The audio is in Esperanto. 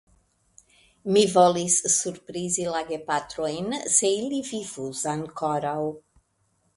Mi volis surprizi la gepatrojn, se ili vivus ankoraŭ.